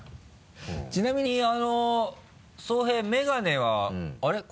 ちなみに草平メガネはあれ？